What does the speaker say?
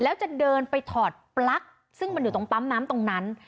แล้วจะเดินไปถอดปลั๊กซึ่งมันอยู่ตรงปั๊มน้ำตรงนั้น